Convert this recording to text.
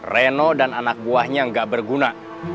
reno dan anak buahnya gak berguna